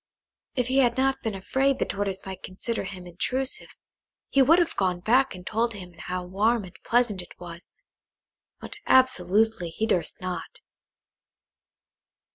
If he had not been afraid the Tortoise might consider him intrusive, he would have gone back and told him how warm and pleasant it was, but absolutely he durst not.